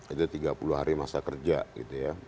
itu tiga puluh hari masa kerja gitu ya